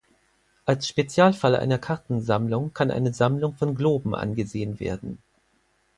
Als Spezialfall einer Kartensammlung kann eine Sammlung von Globen angesehen werden.